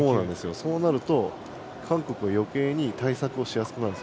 そうなると韓国が余計に対策しやすくなるんです。